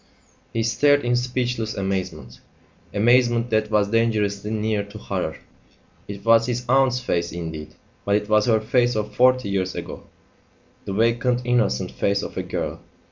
He stared in speechless amazement amazement that was dangerously near to horror. It was his aunt's face indeed, but it was her face of forty years ago, the vacant innocent face of a girl.